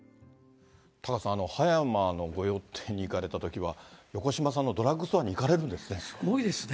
タカさん、葉山の御用邸に行かれたときは、横島さんのドラッグストアに行かすごいですね。